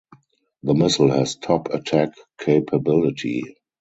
The missile has top attack capability.